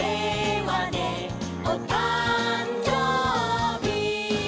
「おたんじょうび」